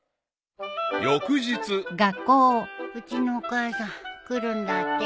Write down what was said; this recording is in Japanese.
［翌日］うちのお母さん来るんだって。